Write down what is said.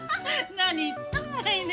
何言っとんがいね。